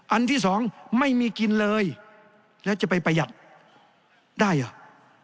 อันที่สองไม่มีกินเลยแล้วจะไปประหยัดได้เหรอ